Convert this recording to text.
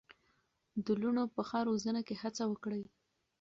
د لوڼو په ښه روزنه کې هڅه وکړئ.